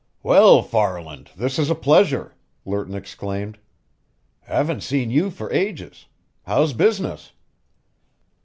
"Well, Farland, this is a pleasure!" Lerton exclaimed. "Haven't seen you for ages. How's business?"